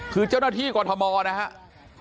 คือเจ้าหน้าที่กรทมนะครับ